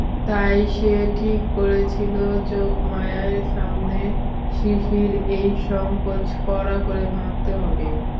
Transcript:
তাই সে ঠিক করেছিল, যোগমায়ার সামনে সিসির এই সংকোচ কড়া করে ভাঙতে হবে।